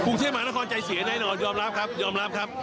กรุงเทพมหานครใจเสียได้หน่อยยอมรับครับ